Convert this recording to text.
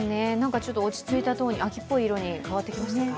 ちょっと落ち着いたトーン、秋っぽい色に変わってきましたか。